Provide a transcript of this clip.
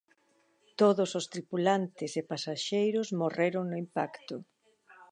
Todos os tripulantes e pasaxeiros morreron no impacto.